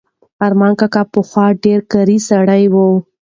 ارمان کاکا پخوا ډېر کاري سړی و.